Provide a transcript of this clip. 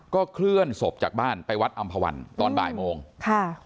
เคลื่อนศพจากบ้านไปวัดอำภาวันตอนบ่ายโมงค่ะ